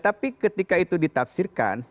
tapi ketika itu ditafsirkan